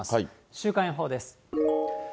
週間予報です。